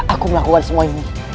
aku melakukan semua ini